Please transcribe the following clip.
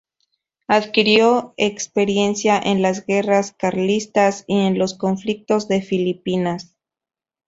Adquirió experiencia en las guerras carlistas y en los conflictos de Filipinas.